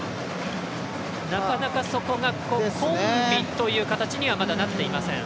なかなかそこがコンビという形にはまだ、なっていません。